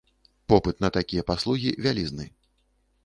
Попыт на такія паслугі вялізны.